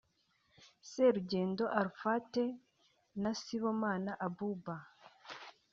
Serugendo Arafat na Sibomana Abuba